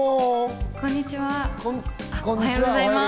おはようございます。